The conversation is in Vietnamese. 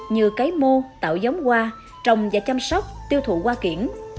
như cấy mô tạo giống hoa trồng và chăm sóc tiêu thụ hoa kiển